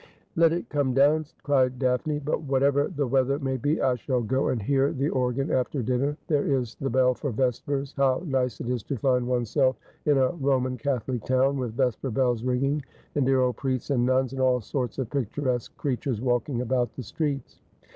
' Let it come down,' cried Daphne ; 'but whatever the weather may be, I shall go and hear the organ after dinner. There is the bell for vespers. How nice it is to find oneself in a Rorcan Catholic town, with vesper bells ringing, and dear old priests and nuns and all sorts of picturesque creatures walking about the streets